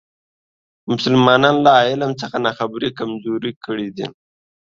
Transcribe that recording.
مسلمانان له علم څخه ناخبري کمزوري کړي دي.